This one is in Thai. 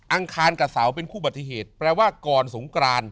อังคารกับเสาเป็นคู่บัติเหตุแปลว่าก่อนสงกราน